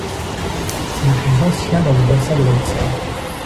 C'est le plus ancien dans le bassin de la haute Seine.